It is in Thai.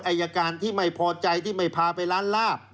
อายการที่ไม่พอใจที่ไม่พาไปร้านลาบ